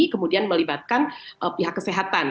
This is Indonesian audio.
kemudian melibatkan pihak kesehatan